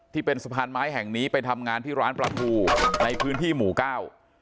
ที่เป็นสะพานไม้แห่งนี้ไปทำงานที่ร้านปลาทูในพื้นที่หมู่เก้า